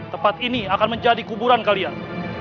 tempat ini akan menjadi kuburan kalian